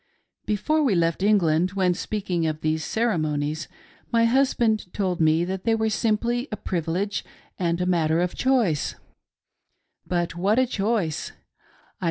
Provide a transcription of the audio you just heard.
Before we left England, when speaking of these ceremonies, my husband told me that they were simply a privilege and a mat ter of choice. But what a choice